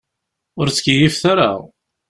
Ur ttkeyyifet ara.